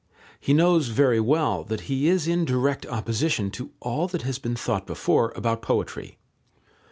He knows very well that he is in direct opposition to all that has been thought before about poetry.